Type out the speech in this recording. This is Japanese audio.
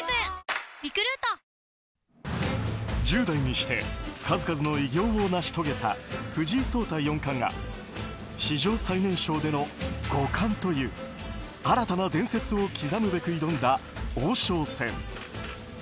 １０代にして数々の偉業を成し遂げた藤井聡太四冠が史上最年少での五冠という新たな伝説を刻むべく挑んだ王将戦。